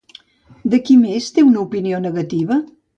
De qui més té una opinió negativa?